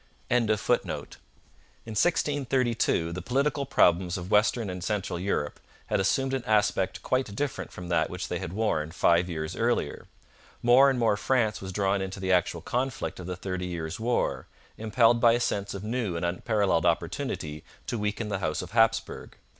] In 1632 the political problems of Western and Central Europe had assumed an aspect quite different from that which they had worn five years earlier. More and more France was drawn into the actual conflict of the Thirty Years' War, impelled by a sense of new and unparalleled opportunity to weaken the House of Hapsburg.